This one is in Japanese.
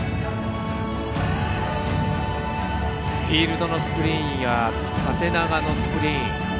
フィールドのスクリーンや縦長のスクリーン。